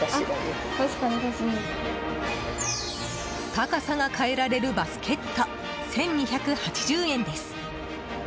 高さが変えられるバスケット１２８０円です。